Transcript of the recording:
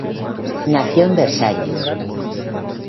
Nació en Versalles.